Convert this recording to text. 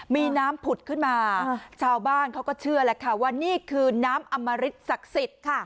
มีน้ำผุดขึ้นมาชาวบ้านเขาก็เชื่อแหละค่ะว่านี่คือน้ำอมริตศักดิ์สิทธิ์ค่ะ